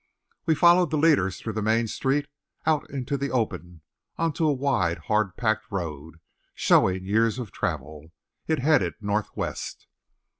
We followed the leaders through the main street, out into the open, on to a wide, hard packed road, showing years of travel. It headed northwest.